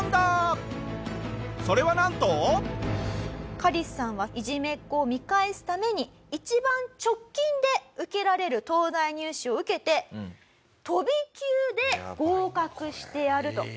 カリスさんはいじめっ子を見返すために一番直近で受けられる東大入試を受けて飛び級で合格してやると考えたんですよね。